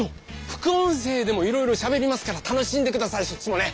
副音声でもいろいろしゃべりますから楽しんでくださいそっちもね。